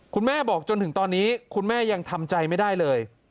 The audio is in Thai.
คุณแม่บอกจนถึงตอนนี้คุณแม่ยังทำใจไม่ได้เลย